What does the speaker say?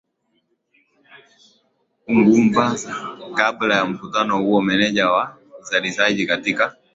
ungumza kabla ya mkutano huo meneja wa uzalishaji katika